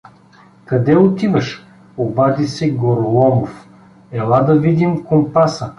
— Къде отиваш? — обади се Гороломов. — Ела Да видим компаса.